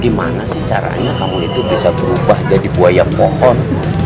gimana sih caranya kamu itu bisa berubah jadi buaya pohon